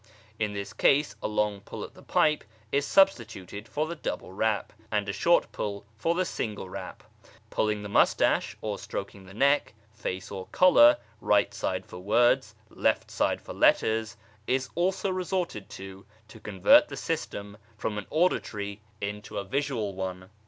In this case a long pull at the pipe is substituted for the double rap, and a short pull for the single rap. Pulling the moustache, or stroking the neck, face, or collar (right side for words, left side for letters), is also resorted to to convert the system from an auditory into a visual one.